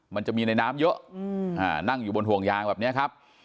มันจะมีในน้ำเยอะนั่งอยู่บนห่วงยางแบบนี้ครับ